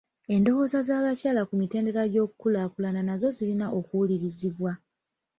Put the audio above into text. Endowooza z'abakyala ku mitendera gy'okukulaakulana nazo zirina okuwulirizibwa.